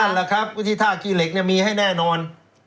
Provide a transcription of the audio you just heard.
นั่นแหละครับที่ธ่าคี่เหล็กมีให้แน่นอน